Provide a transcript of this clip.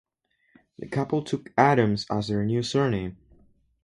The couple took Addams as their new surname.